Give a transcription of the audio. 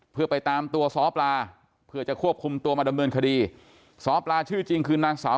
เพื่อไปตามตัวซ้อปลาเพื่อจะควบคุมตัวมาดำเนินคดีซ้อปลาชื่อจริงคือนางสาว